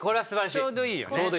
ちょうどいいよね。